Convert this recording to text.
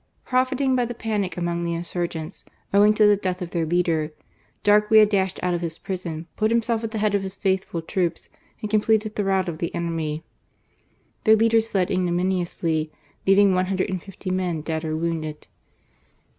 Profiting by the panic among the insurgents, owing to the death of their leader, Darquea dashed out of his prison, put himself at the head of his faithful troops, and completed the rout of the enemy. Their leaders fled ignominiously, leaving one hundred and fifty men dead or wounded.